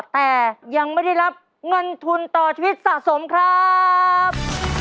แต่ยังไม่ได้รับเงินทุนต่อชีวิตสะสมครับ